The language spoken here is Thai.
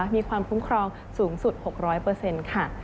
มีความคุ้มครองสูงสุด๖๐๐เปอร์เซ็นต์ค่ะ